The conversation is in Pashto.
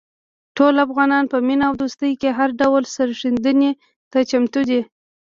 ټول افغانان په مینه او دوستۍ کې هر ډول سرښندنې ته چمتو دي.